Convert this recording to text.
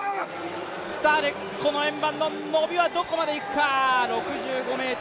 スタール、この円盤の伸びはどこまでいくか。